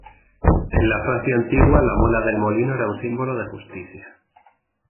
En la Francia antigua, la muela del molino, era un símbolo de justicia.